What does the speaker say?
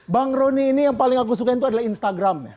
bang roni ini yang paling aku sukain tuh adalah instagram